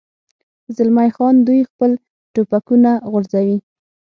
زلمی خان: دوی خپل ټوپکونه غورځوي.